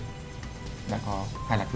đã có hai lạc phiếu trên đây ba lạc phiếu